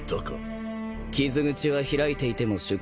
傷口は開いていても出血が少ない。